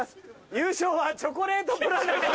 優勝はチョコレートプラネットです。